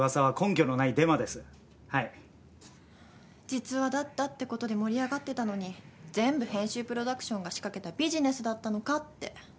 実話だったって事で盛り上がってたのに全部編集プロダクションが仕掛けたビジネスだったのかって。